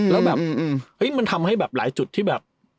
แล้วแบบเฮ้ยมันทำให้แบบหลายจุดที่แบบ